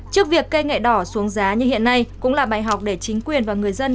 trước việc cây nghệ đỏ xuống giá như hiện nay cũng là bài học để chính quyền và người dân